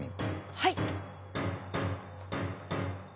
はい。